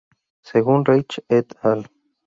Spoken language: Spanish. Según Reich et al.